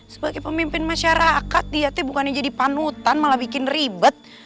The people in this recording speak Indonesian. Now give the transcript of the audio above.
sebagai pemimpin masyarakat di hati bukannya jadi panutan malah bikin ribet